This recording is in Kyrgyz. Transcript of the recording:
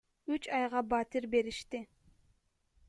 Үч айга батир беришти.